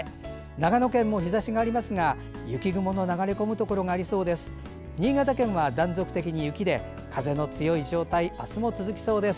長野県も日ざしがありますが雪雲の流れ込むところがありそうです。